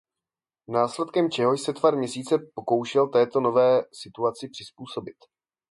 Následkem čehož se tvar měsíce pokoušel této nové situaci přizpůsobit.